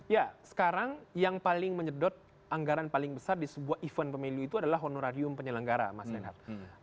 ya sekarang yang paling menyedot anggaran paling besar di sebuah event pemilu itu adalah honorarium penyelenggara mas reinhardt